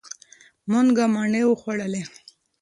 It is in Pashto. مونږه مڼې وخوړلې.